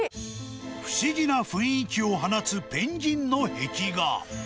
不思議な雰囲気を放つペンギンの壁画。